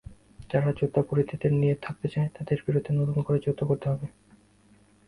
যারা যুদ্ধাপরাধীদের নিয়ে থাকতে চায়, তাদের বিরুদ্ধে নতুন করে যুদ্ধ করতে হবে।